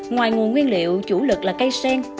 ngoài nguồn nguyên liệu chủ lực là cây sen